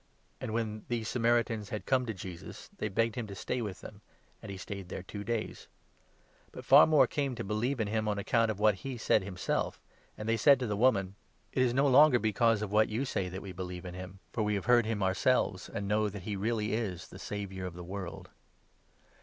And, when 40 these Samaritans had come to Jesus, they begged him to stay with them, and he stayed there two days. But far more came 41 to believe in him on account of what he said himself, and 42 they said to the woman :" It is no longer because of what you say that we believe in JOHN, * 5. 173 him, for we have heard him ourselves and know that he really is the Saviour of the world."